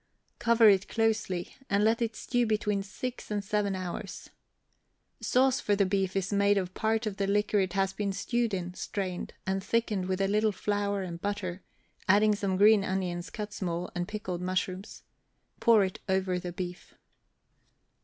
Cover it closely, and let it stew between six and seven hours. Sauce for the beef is made of part of the liquor it has been stewed in, strained, and thickened with a little flour and butter, adding some green onions cut small, and pickled mushrooms. Pour it over the beef.